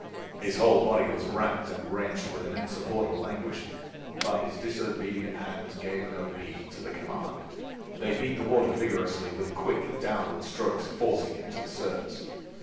His whole body was racked and wrenched with an insupportable anguish! But his disobedient hands gave no heed to the command. They beat the water vigorously with quick, downward strokes, forcing him to the surface.